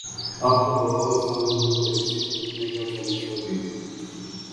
اب تو بقول شاہ محمود قریشی، دھرنے کا چالیسواں بھی